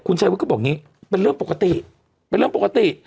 คุณชายวุฒิก็บอกอย่างนี้เป็นเรื่องปกติเป็นเรื่องปกติ